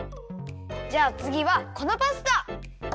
じゃあつぎはこのパスタ！